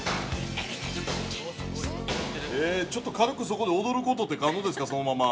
◆ちょっと軽くそこで踊ることって可能ですか、そのまま。